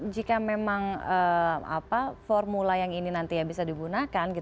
jika memang formula yang ini nanti ya bisa digunakan